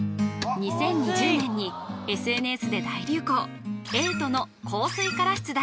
２０２０年にＳＮＳで大流行瑛人の「香水」から出題